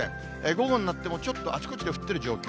午後になってもちょっとあちこちで降ってる状況。